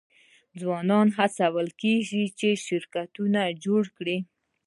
ځوانان هڅول کیږي چې شرکتونه جوړ کړي.